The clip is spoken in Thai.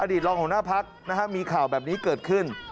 รองหัวหน้าพักมีข่าวแบบนี้เกิดขึ้น